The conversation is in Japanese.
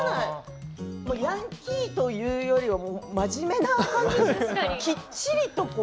ヤンキーというよりは真面目なきっちりと。